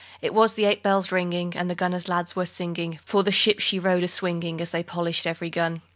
It was eight bells ringing, And the gunner's lads were singing For the ship she rode a swinging, As they polished every gun.